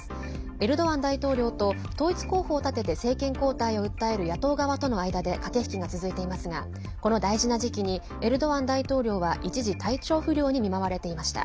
エルドアン大統領と統一候補を立てて政権交代を訴える野党側との間で駆け引きが続いていますがこの大事な時期にエルドアン大統領は一時、体調不良に見舞われていました。